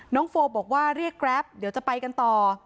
โฟบอกว่าเรียกแกรปเดี๋ยวจะไปกันต่อ